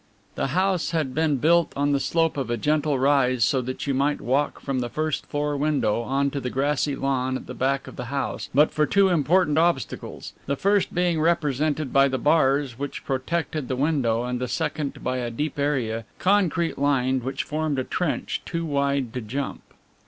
The house had been built on the slope of a gentle rise so that you might walk from the first floor window on to the grassy lawn at the back of the house but for two important obstacles, the first being represented by the bars which protected the window and the second by a deep area, concrete lined, which formed a trench too wide to jump.